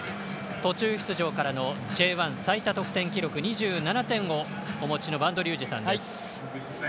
途中出場からのＪ１最多得点記録２７点をお持ちの播戸竜二さんです。